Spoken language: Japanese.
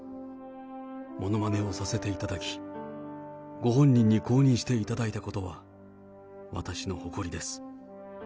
ものまねをさせていただき、ご本人に公認していただいたことは、私の誇りです。